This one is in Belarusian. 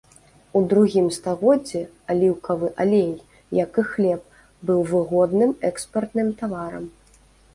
У другім стагоддзі аліўкавы алей, як і хлеб, быў выгодным экспартным таварам.